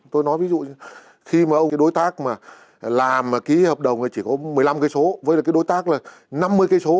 tôi nói ví dụ như khi mà ông cái đối tác mà làm ký hợp đồng chỉ có một mươi năm km với cái đối tác là năm mươi km